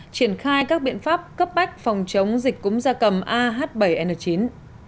triển khai các biện pháp cấp bách phòng chống dịch cúm da cầm ah bảy n chín